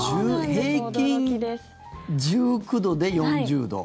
平均１９度で４０度。